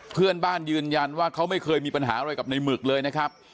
เพื่อนบ้านยืนยันว่าเขาไม่เคยมีปัญหาอะไรกับในหมึกเลยนะครับ